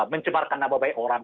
mencebarkan nama baik orang